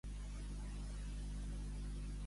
Va demanar el mateix que Rufián?